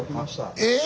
えっ！